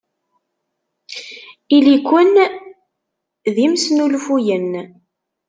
Ili-ken d imesnulfuyen!